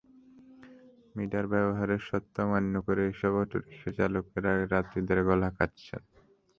Metre ব্যবহারের শর্ত অমান্য করে এসব অটোরিকশার চালকেরা যাত্রীদের গলা কাটছেন।